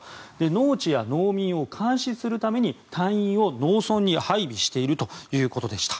農地や農民を監視するために隊員を農村に配備しているということでした。